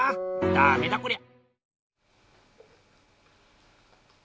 ダメだこりゃ！